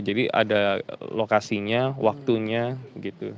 jadi ada lokasinya waktunya gitu